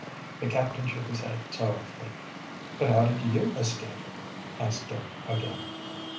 The captain shook his head sorrowfully. "But how did you escape?" asked Dick again.